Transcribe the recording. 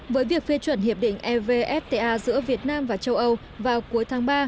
với việc phê chuẩn hiệp định evfta giữa việt nam và châu âu vào cuối tháng ba